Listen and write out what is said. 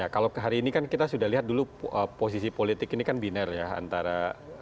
kalau hari ini kan kita sudah lihat dulu posisi politik ini kan binar ya antara